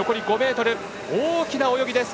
大きな泳ぎです。